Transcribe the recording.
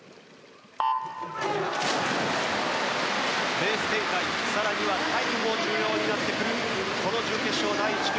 レース展開、更にはタイムも重要になってくるこの準決勝、第１組。